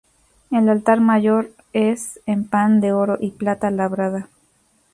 El altar mayor es en pan de oro y plata labrada.